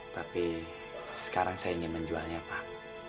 tapi sekarang saya ingin menjualnya pak